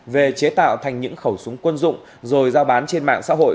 về chế tạo thành những khẩu súng quân dụng rồi giao bán trên mạng xã hội